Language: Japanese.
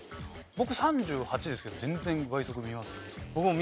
僕３８ですけど全然倍速で見ますね。